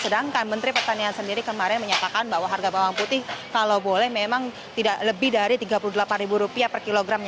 sedangkan menteri pertanian sendiri kemarin menyatakan bahwa harga bawang putih kalau boleh memang tidak lebih dari rp tiga puluh delapan per kilogramnya